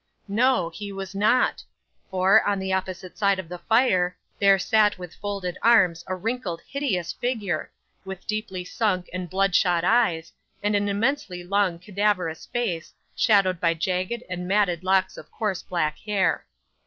'No, he was not; for, on the opposite side of the fire, there sat with folded arms a wrinkled hideous figure, with deeply sunk and bloodshot eyes, and an immensely long cadaverous face, shadowed by jagged and matted locks of coarse black hair.